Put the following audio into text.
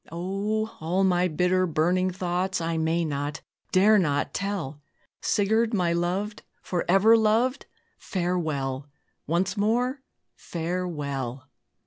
O! all my bitter, burning thoughts I may not, dare not tell! Sigurd, my loved forever loved! Farewell! once more, farewell!"